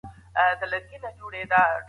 د بهرنیو تګلاري تطبیق کي همږغي کمه نه ده.